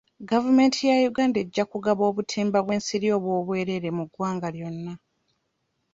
Gavumenti ya Uganda ejja kugaba obutimba bw'ensiri obw'obwereere mu ggwanga lyonna .